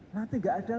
nanti enggak ada lagi